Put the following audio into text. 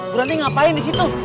bu ranti ngapain disitu